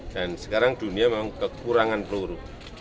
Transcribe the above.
dan sekarang dunia memang kekurangan peluru